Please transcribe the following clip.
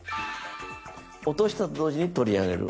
落としたと同時に取り上げる。